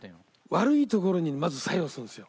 悪い所にまず作用するんですよ。